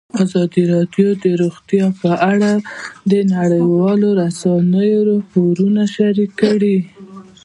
ازادي راډیو د روغتیا په اړه د نړیوالو رسنیو راپورونه شریک کړي.